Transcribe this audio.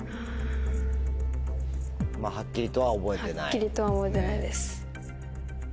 はっきりとは覚えてないです。